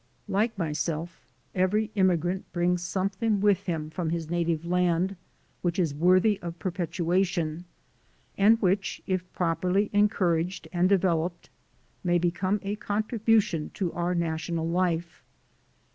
Like myself, every immigrant brings something with him from his native land which is worthy of perpetuation, and which, if properly encouraged and developed, may become a contribution to our na I SUFFER SERIOUS LOSSES 189 tional life.